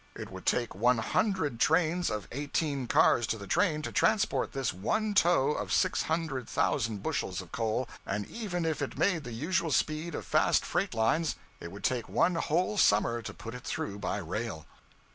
It would take one hundred trains of eighteen cars to the train to transport this one tow of six hundred thousand bushels of coal, and even if it made the usual speed of fast freight lines, it would take one whole summer to put it through by rail.'